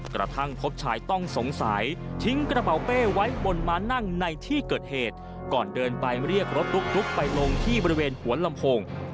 กระทั่งพบชายต้องสงสัยทิ้งกระเป๋าเป้ไว้บนม้านั่งในที่เกิดเหตุก่อนเดินไปเรียกรถตุ๊กไปลงที่บริเวณหัวลำโพง